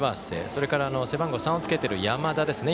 それから、背番号３をつけている山田ですね。